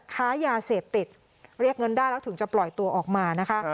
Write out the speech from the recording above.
ค้ายาเสพติดเรียกเงินได้แล้วถึงจะปล่อยตัวออกมานะคะ